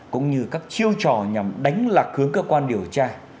cũng như các chiêu trò nhằm đánh lạc hướng cơ quan điều tra